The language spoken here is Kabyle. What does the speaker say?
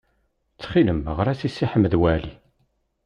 Ttxil-m, ɣer-as i Si Ḥmed Waɛli.